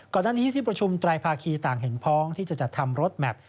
ก่อนหน้านี้ที่ประชุมไตรภาคีต่างเห็นพ้องที่จะจัดทำรถแมพ